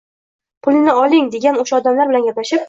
pulni oling degan o‘sha odamlar bilan gaplashib